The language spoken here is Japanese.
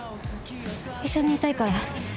一緒にいたいから。